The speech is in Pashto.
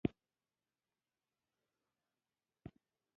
انټرنیټي امکانات د ژوند چارې آسانه کوي.